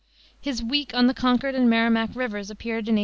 His Week on the Concord and Merrimac Rivers appeared in 1849.